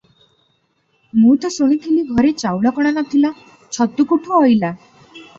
ମୁଁ ତ ଶୁଣିଥିଲି ଘରେ ଚାଉଳ କଣା ନ ଥିଲା- ଛତୁ କୁଠୁ ଅଇଲା?